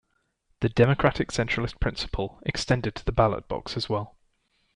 The "democratic centralist" principle extended to the ballot box as well.